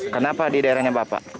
kenapa di daerahnya bapak